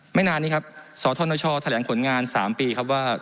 ไม่นานนี้ครับสธนชแถลงผลงาน๓ปีครับว่า